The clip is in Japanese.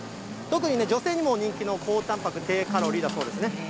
特に女性にも人気の高たんぱく、低カロリーだそうですね。